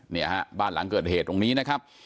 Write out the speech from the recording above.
เนี่ยฮะบ้านหลังเกิดเหตุตรงนี้นะครับ